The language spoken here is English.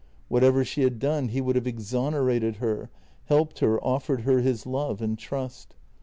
Whatever she had done he would have exonerated her, helped her, offered her his love and trust.